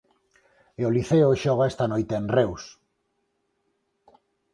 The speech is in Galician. E o Liceo xoga esta noite en Reus.